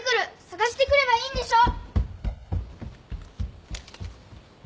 捜してくればいいんでしょ。